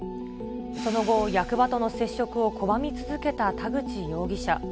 その後、役場との接触を拒み続けた田口容疑者。